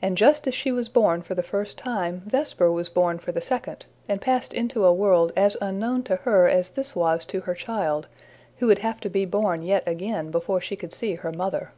And just as she was born for the first time, Vesper was born for the second, and passed into a world as unknown to her as this was to her child who would have to be born yet again before she could see her mother.